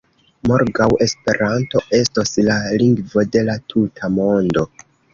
Morgaŭ Esperanto estos la lingvo de la tuta Mondo!